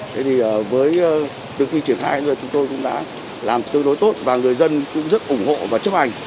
thế thì với được truyền khai rồi chúng tôi cũng đã làm tương đối tốt và người dân cũng rất ủng hộ và chấp hành